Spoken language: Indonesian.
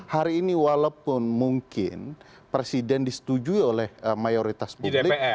hari ini walaupun mungkin presiden disetujui oleh mayoritas publik